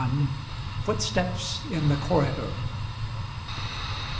FOOTSTEPS IN THE CORRIDOR.